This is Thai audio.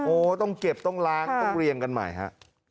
ต้องเก็บต้องล้างต้องเรียงกันใหม่ฮะ